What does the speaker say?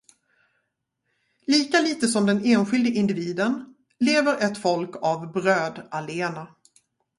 Lika litet som den enskilde individen, lever ett folk av bröd allena.